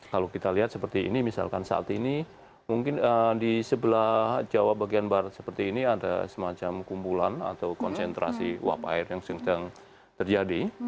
kalau kita lihat seperti ini misalkan saat ini mungkin di sebelah jawa bagian barat seperti ini ada semacam kumpulan atau konsentrasi uap air yang sedang terjadi